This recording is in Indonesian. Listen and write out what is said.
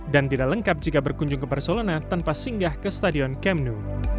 dan tidak lengkap jika berkunjung ke barcelona tanpa singgah ke stadion kemnu